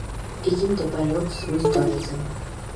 იგი მდებარეობს ზღვის დონეზე.